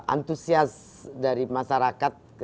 antusias dari masyarakat